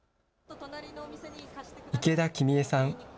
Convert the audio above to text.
池田君江さん。